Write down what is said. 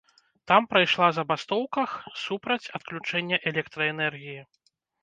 Там прайшла забастоўках супраць адключэння электраэнергіі.